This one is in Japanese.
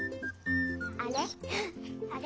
あれ？